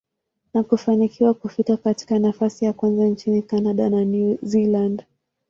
na kufanikiwa kufika katika nafasi ya kwanza nchini Canada na New Zealand.